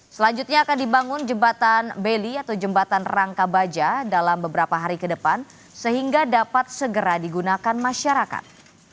selanjutnya akan dibangun jembatan beli atau jembatan rangka baja dalam beberapa hari ke depan sehingga dapat segera digunakan masyarakat